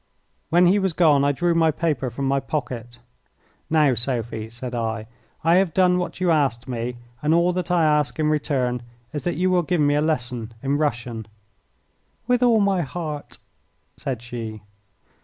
When he was gone I drew my paper from my pocket. "Now, Sophie," said I, "I have done what you asked me, and all that I ask in return is that you will give me a lesson in Russian." "With all my heart," said she.